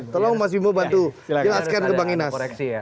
tolong mas bimo bantu jelaskan ke bang inas